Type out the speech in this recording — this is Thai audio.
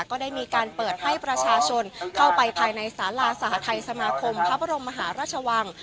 ก็ได้มีการเปิดให้ประชาชนเข้าไปภายในสาราสหทัยสมาคมพระบรมมหาราชวัง